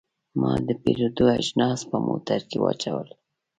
ما د پیرود اجناس په موټر کې واچول.